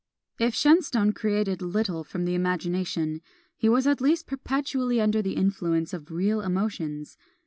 If Shenstone created little from the imagination, he was at least perpetually under the influence of real emotions.